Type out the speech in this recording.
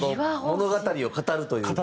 物語を語るというか。